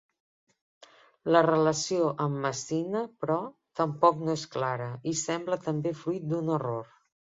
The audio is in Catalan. La relació amb Messina, però, tampoc no és clara i sembla també fruit d'un error.